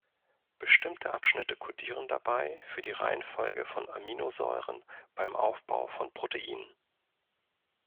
Bestimmte Abschnitte codieren dabei für die Reihenfolge von Aminosäuren beim Aufbau von Proteinen.